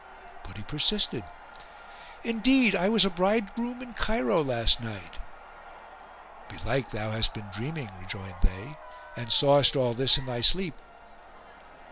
But he persisted, "Indeed I was a bridegroom in Cairo last night." "Belike thou hast been dreaming," rejoined they, "and sawest all this in thy sleep."